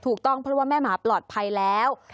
ถูกต้องเพราะว่าแม่หมาปลอดภัยแล้ว